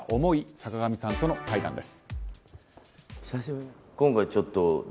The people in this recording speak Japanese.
坂上さんとの対談です。